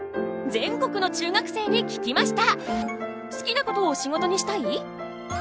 全国の中学生に聞きました！